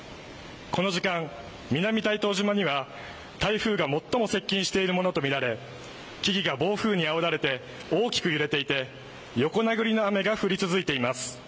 この時間、南大東島には台風が最も接近しているものとみられ木々が暴風にあおられて大きく揺れていて横殴りの雨が降り続いています。